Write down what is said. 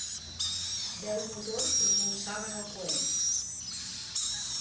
Deu motors propulsaven el coet.